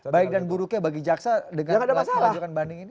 baik dan buruknya bagi jaksa dengan mengajukan banding ini